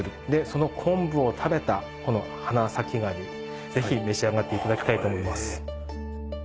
その昆布を食べたこの花咲ガニぜひ召し上がっていただきたいと思います。